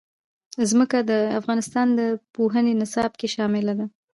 ځمکه د افغانستان د پوهنې نصاب کې شامل دي.